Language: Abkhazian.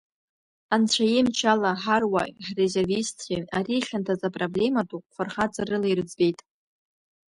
Анцәа имчала, ҳаруааи ҳрезервистцәеи ари ихьанҭаз апроблема ду фырхаҵарыла ирыӡбеит.